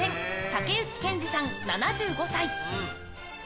武内憲治さん、７５歳。